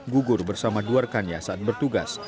gugur bersama dua rekannya saat bertugas